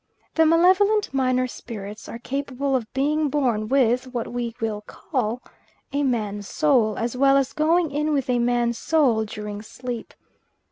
The malevolent minor spirits are capable of being born with, what we will call, a man's soul, as well as going in with the man's soul during sleep.